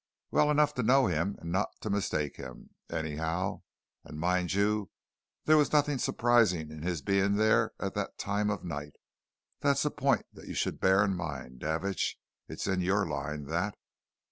"Well enough to know him and not to mistake him, anyhow! And mind you, there was nothing surprising in his being there at that time of night that's a point that you should bear in mind, Davidge it's in your line, that.